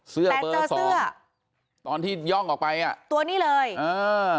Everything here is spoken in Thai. เสื้อเบอร์สองค่ะตอนที่ย่องออกไปอ่ะตัวนี้เลยเออ